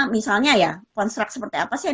misalnya ya konstruk seperti apa sih yang